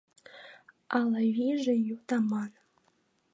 Ала вийже ю таман.